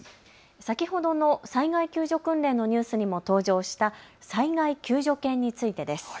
先ほどの災害救助訓練のニュースにも登場した災害救助犬についてです。